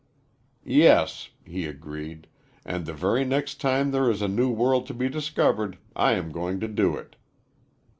"Yes," he agreed, "and the very next time there is a new world to be discovered I am going to do it."